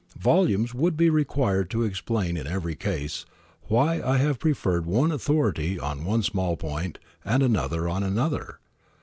Volumes would be required to explain in every case why I have preferred one authority on one small point, and another on another.